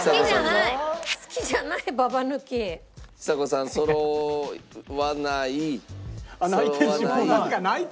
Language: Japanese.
ちさ子さんそろわない。